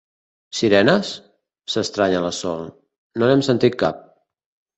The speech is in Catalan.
Sirenes? —s'estranya la Sol— No n'hem sentit cap.